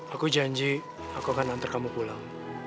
aku janji aku akan antar kamu pulang